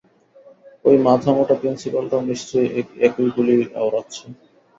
ঐ মাথামোটা প্রিন্সিপালটাও নিশ্চয়ই এই একই বুলি আওড়াচ্ছে।